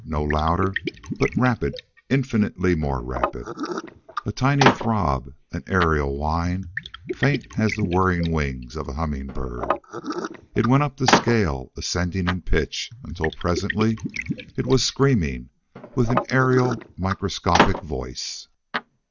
No louder, but rapid, infinitely more rapid. A tiny throb, an aerial whine, faint as the whirring wings of a humming bird. It went up the scale, ascending in pitch, until presently it was screaming with an aerial microscopic voice.